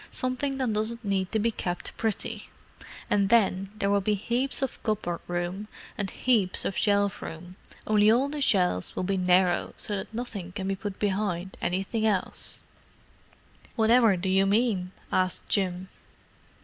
Something that doesn't need to be kept pretty. And then there will be heaps of cupboard room and heaps of shelf room—only all the shelves will be narrow, so that nothing can be put behind anything else." "Whatever do you mean?" asked Jim.